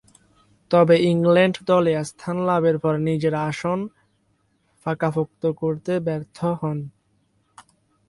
তবে, ইংল্যান্ড দলে স্থান লাভের পর নিজের আসন পাকাপোক্ত করতে ব্যর্থ হন।